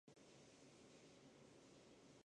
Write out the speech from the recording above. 我们应该先告诉谁？